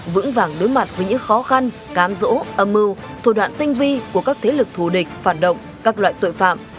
vững vàng đối mặt với những khó khăn cám dỗ âm mưu thủ đoạn tinh vi của các thế lực thù địch phản động các loại tội phạm